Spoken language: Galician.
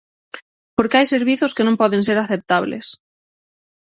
Porque hai servizos que non poden ser aceptables.